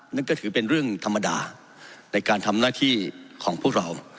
นั่นก็ถือเป็นเรื่องธรรมดาในการทำหน้าที่ของพวกเรา